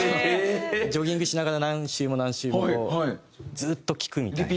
ジョギングしながら何周も何周もこうずっと聴くみたいな。